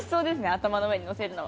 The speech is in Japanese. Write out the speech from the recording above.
頭の上に載せるのは。